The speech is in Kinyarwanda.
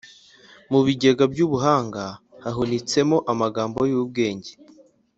Mu bigega by’ubuhanga, hahunitsemo amagambo y’ubwenge,